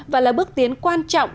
và là bước tiến quan trọng